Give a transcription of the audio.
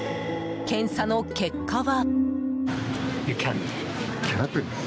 検査の結果は。